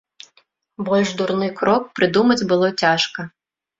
Больш дурны крок прыдумаць было цяжка.